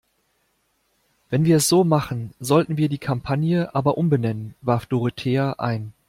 Wenn wir es so machen, sollten wir die Kampagne aber umbenennen, warf Dorothea ein.